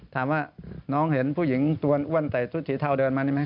ถามว่าน้องเห็นผู้หญิงตัวอ้วนใส่ชุดสีเทาเดินมานี่ไหม